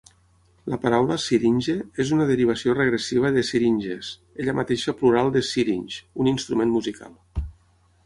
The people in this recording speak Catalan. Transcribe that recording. La paraula "syringe" és una derivació regressiva de "syringes", ella mateixa plural de "syrinx", un instrument musical.